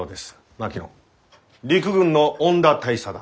槙野陸軍の恩田大佐だ。